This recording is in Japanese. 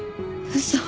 嘘。